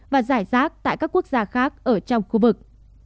và giải rác tại các quốc gia khác ở trong khu vực